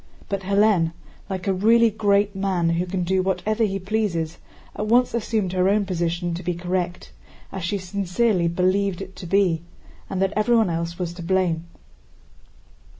But Hélène, like a really great man who can do whatever he pleases, at once assumed her own position to be correct, as she sincerely believed it to be, and that everyone else was to blame.